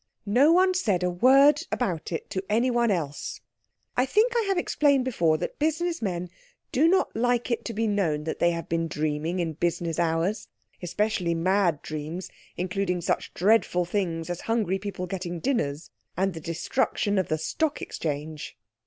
No one said a word about it to anyone else. I think I have explained before that business men do not like it to be known that they have been dreaming in business hours. Especially mad dreams including such dreadful things as hungry people getting dinners, and the destruction of the Stock Exchange.